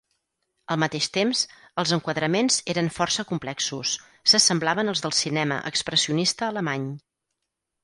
Al mateix temps, els enquadraments eren força complexos, s’assemblaven als del cinema expressionista alemany.